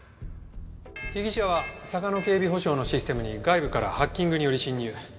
被疑者はサガノ警備保障のシステムに外部からハッキングにより侵入。